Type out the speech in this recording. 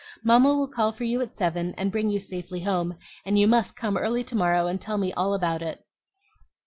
Mamma will call for you at seven, and bring you safely home; and you must come early to morrow and tell me all about it.